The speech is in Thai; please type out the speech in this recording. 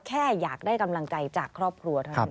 แค่อยากได้กำลังใจจากครอบครัวเท่านั้น